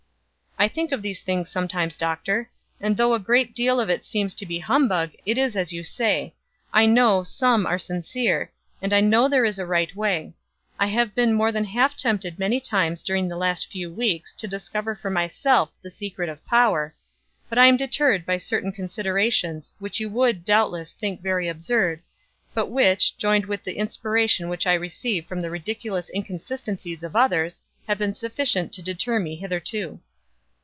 "I think of these things sometimes, doctor, and though a great deal of it seems to be humbug, it is as you say I know some are sincere, and I know there is a right way. I have been more than half tempted many times during the last few weeks to discover for myself the secret of power, but I am deterred by certain considerations, which you would, doubtless, think very absurd, but which, joined with the inspiration which I receive from the ridiculous inconsistencies of others, have been sufficient to deter me hitherto."